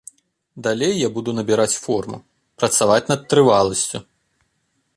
Далей я буду набіраць форму, працаваць над трываласцю.